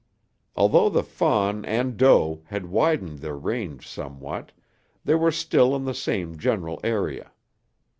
Although the fawn and doe had widened their range somewhat, they were still in the same general area.